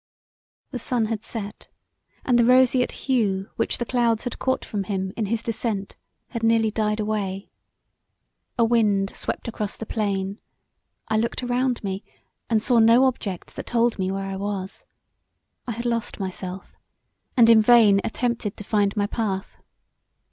The sun had set and the roseate hue which the clouds had caught from him in his descent had nearly died away. A wind swept across the plain, I looked around me and saw no object that told me where I was; I had lost myself, and in vain attempted to find my path.